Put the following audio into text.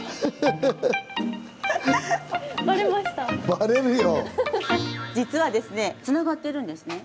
バレるよ！